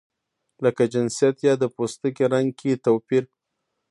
لکه جنسیت یا د پوستکي رنګ کې توپیر.